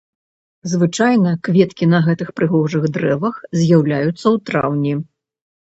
Звычайна, кветкі на гэтых прыгожых дрэвах з'яўляюцца ў траўні.